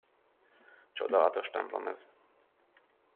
Csodálatos templom ez!